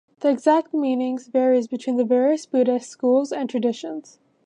The exact meaning varies between the various Buddhist schools and traditions.